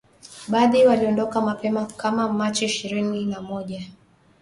Baadhi waliondoka mapema kama Machi ishirini ishirini na moja